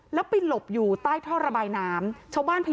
หน้าวาดนี้แหละค่ะประมาณอยู่นานนี้อ่ะ